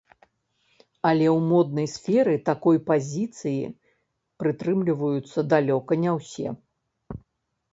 Але ў моднай сферы такой пазіцыі прытрымліваюцца далёка не ўсе.